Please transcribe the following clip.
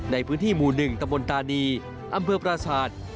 ในพื้นที่หมู่๑ตำรวนตานีอำเภอประสาท